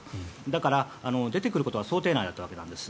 だから、出てくることは想定内だったわけなんです。